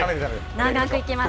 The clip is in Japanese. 長く行きます。